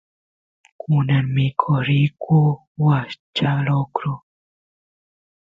kunan mikoq riyku washcha lokro